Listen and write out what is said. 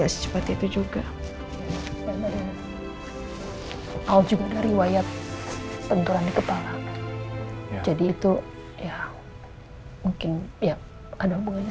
secepat itu juga kalau juga dari wayap tenturan di kepala jadi itu ya mungkin ya ada hubungannya